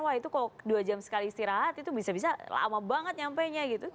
wah itu kok dua jam sekali istirahat itu bisa bisa lama banget nyampainya